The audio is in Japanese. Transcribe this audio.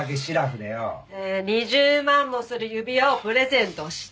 で２０万もする指輪をプレゼントした？